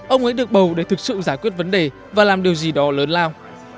ông ấy được bầu để thực sự giải quyết vấn đề và làm điều gì đó lớn lao